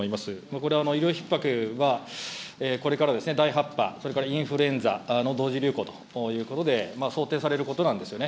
これ、医療ひっ迫は、これから第８波、それからインフルエンザの同時流行ということで、想定されることなんですよね。